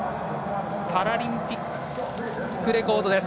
パラリンピックレコードです。